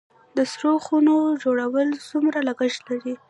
د سړو خونو جوړول څومره لګښت لري؟